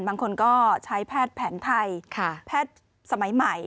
บางคนก็ใช้แพทย์แผนไทยแพทย์สมัยใหม่